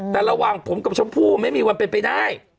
แต่ระหว่างผมกับชมพู่ไม่มีวันเป็นไปได้